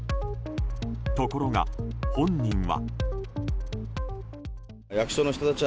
ところが、本人は。